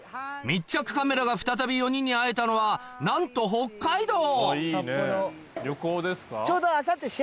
密着カメラが再び４人に会えたのはなんと北海道！